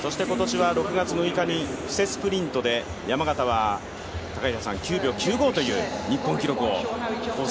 今年は６月６日に布勢スプリントで山縣は９秒９５という日本記録を更新。